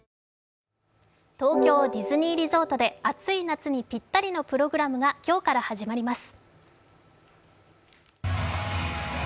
東京ディズニーリゾートで暑い夏にぴったりのプログラムが今日から始まります。